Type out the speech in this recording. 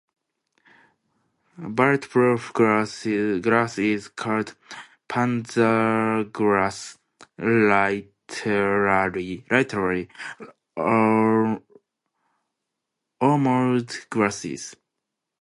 Bulletproof glass is called "Panzerglas", literally "armoured glass".